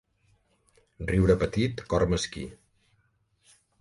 Riure petit, cor mesquí.